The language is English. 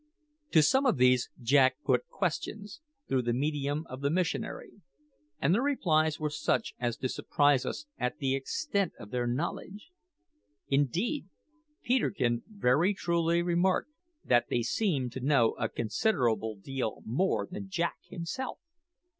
To some of these Jack put questions, through the medium of the missionary; and the replies were such as to surprise us at the extent of their knowledge. Indeed, Peterkin very truly remarked that "they seemed to know a considerable deal more than Jack himself!"